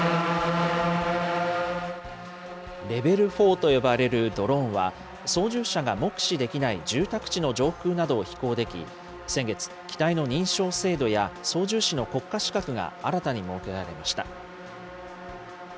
レベル４と呼ばれるドローンは、操縦者が目視できない住宅地の上空などを飛行でき、先月、機体の認証制度や操縦士の国家資格が新たに設けられました。